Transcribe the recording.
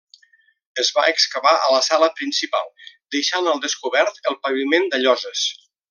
Es va excavar la sala principal, deixant al descobert el paviment de lloses.